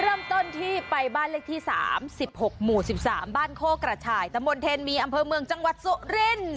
เริ่มต้นที่ไปบ้านเลขที่๓๖หมู่๑๓บ้านโคกระชายตะมนเทนมีอำเภอเมืองจังหวัดสุรินทร์